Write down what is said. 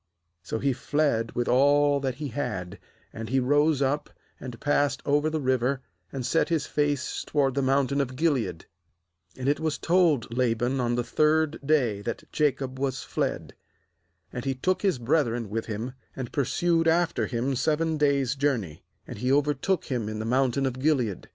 aSo he fled with all that he had; and he rose up, and passed over athe River, and set his face toward the mountain of Gilead. ^And it was told Laban on the third day that Jacob was fled. ^And he took his brethren with him, and pursued after him seven days' journey; and he overtook him in the mountain of Gilead.